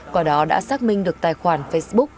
qua đó đã xác minh được tài khoản facebook